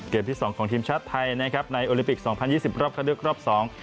เกมที่สองของทีมชาติไทยนะครับในโอลิปิก๒๐๒๐รอบขดลึกรอบสอง